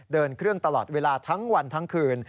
เดินเครื่องตลอดเวลาทั้งวันทั้งคืน